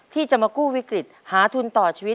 ที่จะมากู้วิกฤตหาทุนต่อชีวิต